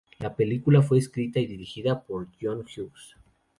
La película fue escrita y dirigida por John Hughes.